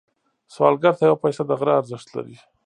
سوالګر ته یو پيسه د غره ارزښت لري